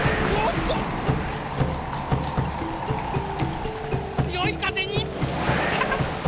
つよい風に。